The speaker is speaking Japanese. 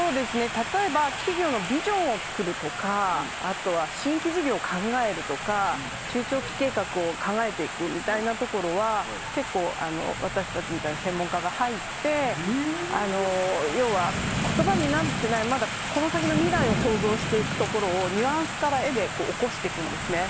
例えば企業のビジョンを作るとかあとは新規事業を考えるとか中長期計画を考えるとかは結構、私たちみたいな専門家が入って要は、言葉になってないこの先の未来を想像していくところをニュアンスから絵で起こしていくんですね。